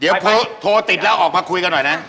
เดี๋ยวโทรติดแล้วออกมาคุยกันหน่อยนะ